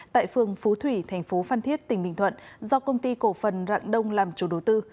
tại phường phú thủy thành phố phan thiết tỉnh bình thuận do công ty cổ phần rạng đông làm chủ đầu tư